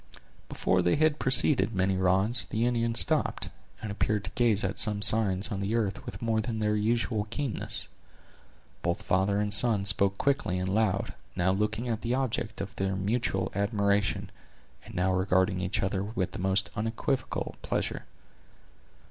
Before they had proceeded many rods, the Indians stopped, and appeared to gaze at some signs on the earth with more than their usual keenness. Both father and son spoke quick and loud, now looking at the object of their mutual admiration, and now regarding each other with the most unequivocal pleasure.